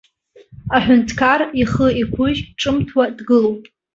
Аҳәынҭқар ихы иқәыжь, ҿымҭуа дгылоуп.